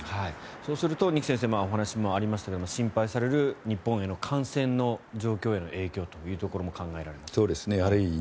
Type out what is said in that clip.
そうすると二木先生お話にもありましたが心配される日本への感染の状況への影響も考えられます。